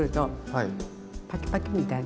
はい。